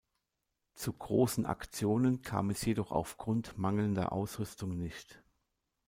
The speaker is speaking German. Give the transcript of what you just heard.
Zu großen Aktionen kam es jedoch aufgrund mangelnder Ausrüstung nicht.